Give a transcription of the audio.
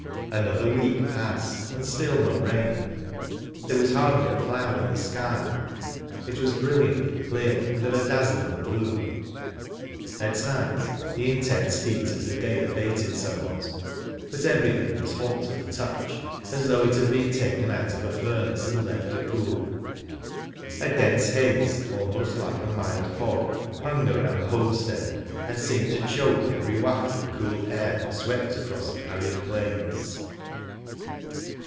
Another week passed and still no rain. There was hardly a cloud in the sky, it was brilliantly clear, and of a dazzling blue. At night, the intense heat of the day abated somewhat, but everything was hot to the touch, as though it had been taken out of a furnace and left to cool. A dense haze, almost like a mild fog, hung around the homestead, and seemed to choke every waft of cool air that swept across the arid plains.